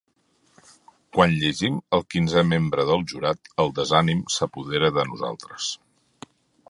Quan llegim el quinzè membre del jurat el desànim s'apodera de nosaltres.